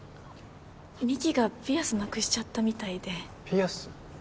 美紀がピアスなくしちゃったみたいでピアス？